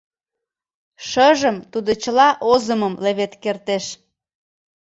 Шыжым тудо чыла озымым левед кертеш.